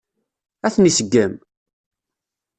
Ad ten-iseggem?